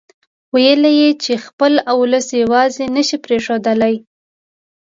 ويل يې چې خپل اولس يواځې نه شي پرېښودلای.